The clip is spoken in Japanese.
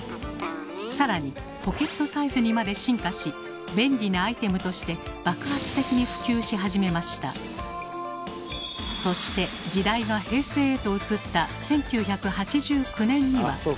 更にポケットサイズにまで進化し便利なアイテムとしてそして時代が平成へと移った１９８９年には。